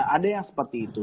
ada yang seperti itu